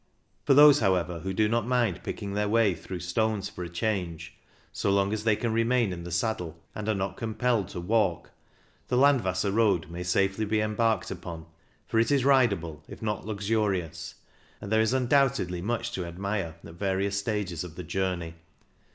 For those, however, who do not mind picking their way through stones for a change, so long as they can remain in the saddle and are not compelled to walk, the Landwasser Road may safely be em barked upon, for it is ridable if not luxuri ous, and there is undoubtedly much to admire at various stages of the journey.